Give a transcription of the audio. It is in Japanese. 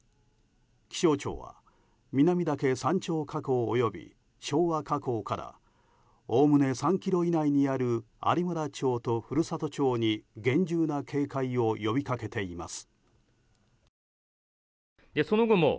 気象庁は南岳山頂火口および昭和火口からおおむね３ｋｍ以内にある有村町と古里町に厳重な警戒を呼び掛けています。